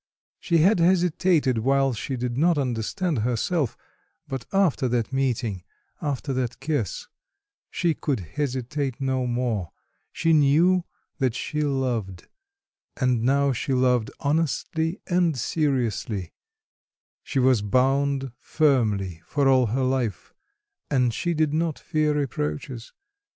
She had hesitated while she did not understand herself; but after that meeting, after that kiss she could hesitate no more: she knew that she loved, and now she loved honestly and seriously, she was bound firmly for all her life, and she did not fear reproaches.